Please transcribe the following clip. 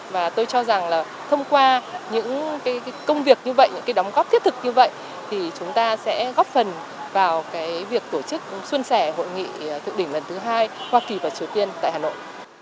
và tôi cho rằng là thông qua những công việc như vậy những cái đóng góp thiết thực như vậy thì chúng ta sẽ góp phần vào cái việc tổ chức xuân sẻ hội nghị thượng đỉnh lần thứ hai hoa kỳ và triều tiên tại hà nội